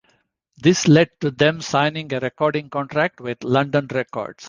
This led to them signing a recording contract with London Records.